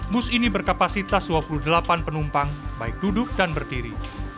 bus ini berkapasitas dua puluh delapan penumpang baik duduk dan berdiri